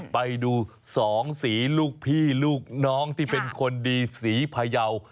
ไปดูสองสีลูกพี่ลูกน้องที่เป็นคนดีสีพยาว